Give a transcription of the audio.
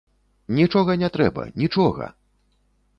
Нічога не трэба, нічога!